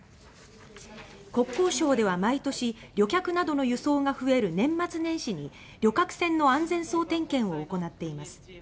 国交省では毎年旅客などの輸送が増える年末年始に旅客船の安全総点検を行っています。